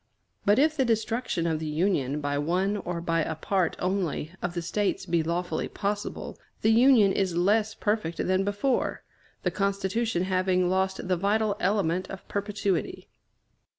But if the destruction of the Union by one or by a part only of the States be lawfully possible, the Union is less perfect than before, the Constitution having lost the vital element of perpetuity.